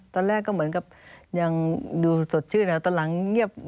ตอนแรกก็เหมือนกับยังดูสดชื่นตอนหลังเงียบ